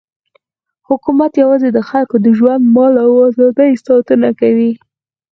حکومت یوازې د خلکو د ژوند، مال او ازادۍ ساتنه کوي.